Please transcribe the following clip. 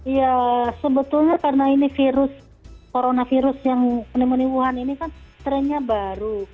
ya sebetulnya karena ini virus coronavirus yang pneumonia wuhan ini kan trennya baru